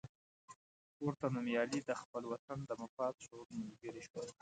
پورته نومیالي د خپل وطن د مفاد شعور ملګري شول.